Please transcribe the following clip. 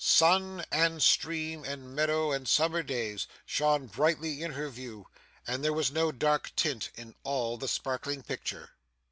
Sun, and stream, and meadow, and summer days, shone brightly in her view, and there was no dark tint in all the sparkling picture.